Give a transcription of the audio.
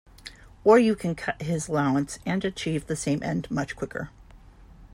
Or you can cut his allowance and achieve the same end much quicker.